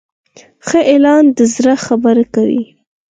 ښه اعلان د زړه خبرې کوي.